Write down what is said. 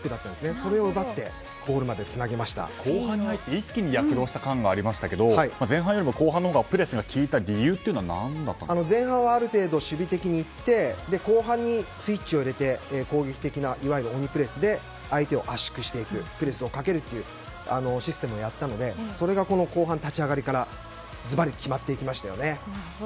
それを奪って後半に入って一気に躍動した感がありましたけど前半よりも後半のほうがプレスが効いた理由は前半はある程度守備的に行って後半にスイッチを入れて攻撃的ないわゆる鬼プレスで相手を圧縮していくプレスをかけるというシステムをやったのでそれが後半立ち上がりからズバリ決まっていきましたよね。